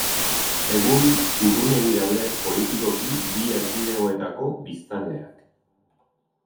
Egun, urrunegi daude politikoki bi erkidegoetako biztanleak.